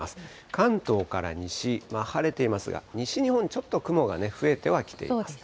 関東から西は晴れていますが、西日本、ちょっと雲が増えてはきています。